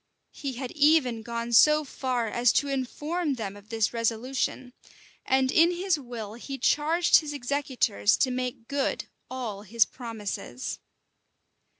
He had even gone so far as to inform them of this resolution; and in his will he charged his executors to make good all his promises.